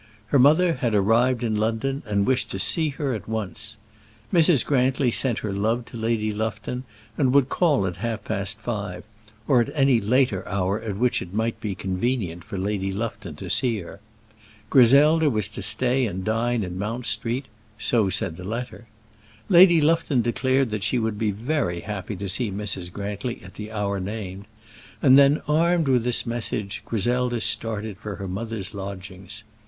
Her mother had arrived in London and wished to see her at once. Mrs. Grantly sent her love to Lady Lufton, and would call at half past five, or at any later hour at which it might be convenient for Lady Lufton to see her. Griselda was to stay and dine in Mount Street; so said the letter. Lady Lufton declared that she would be very happy to see Mrs. Grantly at the hour named; and then, armed with this message, Griselda started for her mother's lodgings.